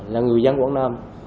là người dân quảng nam